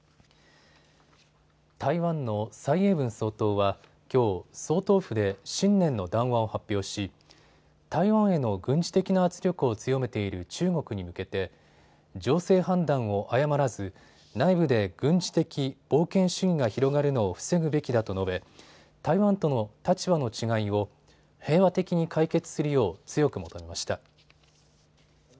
台湾の蔡英文総統はきょう総統府で新年の談話を発表し台湾への軍事的な圧力を強めている中国に向けて情勢判断を誤らず内部で軍事的冒険主義が広がるのを防ぐべきだと述べ台湾との立場の違いを平和的に解決するよう強く求めました。